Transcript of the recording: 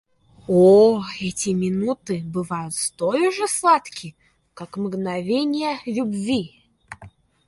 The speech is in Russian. О, эти минуты бывают столь же сладки, как мгновения любви!